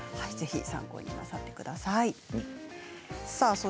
ぜひ参考になさってください。